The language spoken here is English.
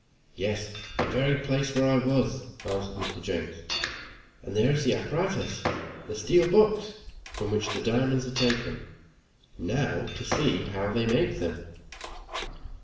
"Yes the very place where I was," answered Mr. Jenks, "and there is the apparatus the steel box from which the diamonds are taken now to see how they make them."